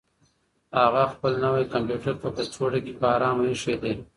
هغه خپل نوی کمپیوټر په کڅوړه کې په ارامه اېښی دی.